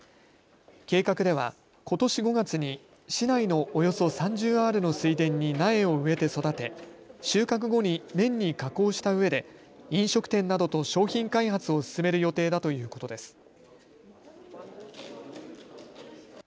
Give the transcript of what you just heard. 計画では、ことし５月に市内のおよそ３０アールの水田に苗を植えて育て収穫後に麺に加工したうえで飲食店などと商品開発を進める予定だということです。